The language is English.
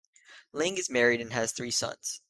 Ling is married and has three sons.